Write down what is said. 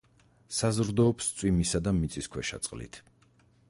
საზრდოობს წვიმისა და მიწისქვეშა წყლით.